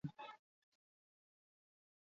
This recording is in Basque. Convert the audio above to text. Bat egiten dugu mobilizazioarekin!